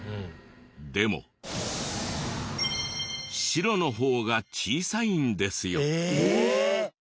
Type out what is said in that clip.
でも白の方が小さいんですよ。